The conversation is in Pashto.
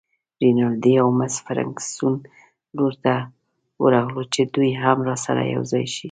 د رینالډي او مس فرګوسن لور ته ورغلو چې دوی هم راسره یوځای شي.